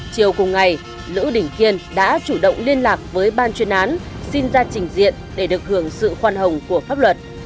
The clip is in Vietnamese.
chiều cùng ngày lữ đình kiên đã chủ động liên lạc với ban chuyên án xin ra trình diện để được hưởng sự khoan hồng của pháp luật